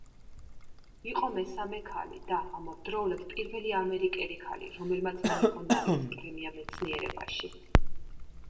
იყო მესამე ქალი, და ამავდროულად პირველი ამერიკელი ქალი, რომელმაც მიიღო ნობელის პრემია მეცნიერებაში.